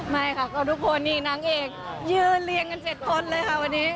ไม่ค่ะก็ทุกคนนี่นางเอกยืนเรียงกัน๗คนเลยค่ะวันนี้